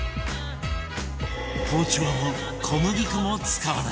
包丁も小麦粉も使わない